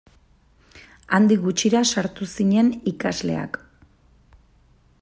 Handik gutxira sartu zinen ikasleak.